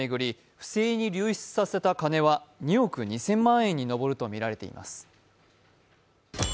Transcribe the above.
不正に取得された２億２０００万円に上るとみられています。